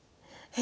え？